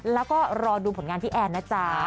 แล้วก็รอดูผลงานพี่แอนนะจ๊ะ